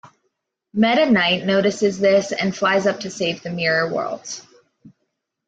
Meta Knight notices this, and flies up to save the Mirror World.